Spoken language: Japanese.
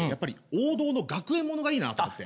王道の学園ものがいいなと思って。